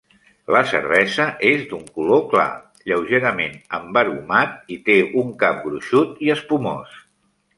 La cervesa és d'un color clar, lleugerament embarumat i té un cap gruixut i espumós.